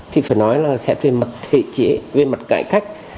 thì phải nói là sẽ về mặt thể chế về mặt cải cách